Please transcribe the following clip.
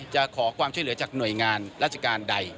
จะขอความช่วยเหลือจากหน่วยงานราชการใด